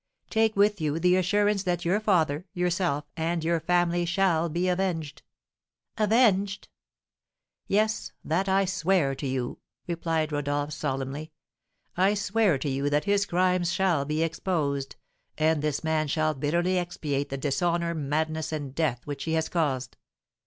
"Take with you the assurance that your father, yourself, and your family shall be avenged." "Avenged!" "Yes, that I swear to you," replied Rodolph, solemnly; "I swear to you that his crimes shall be exposed, and this man shall bitterly expiate the dishonour, madness, and death which he has caused.